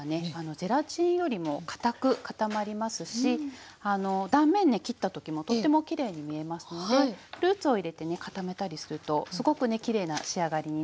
ゼラチンよりもかたく固まりますし断面ね切った時もとってもきれいに見えますのでフルーツを入れてね固めたりするとすごくねきれいな仕上がりになるんですよ。